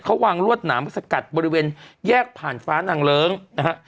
เขาวางรวดหนามสกัดบริเวณแยกผ่านฟ้านางเลิ้งนะฮะ